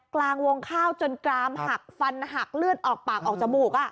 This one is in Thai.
กลางวงข้าวจนกรามหักฟันหักเลือดออกปากออกจมูก